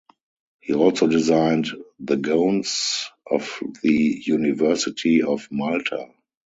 He also designed the gowns of the University of Malta.